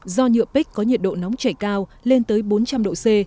do nhựa pích có nhiệt độ nóng chảy cao lên tới bốn trăm linh độ c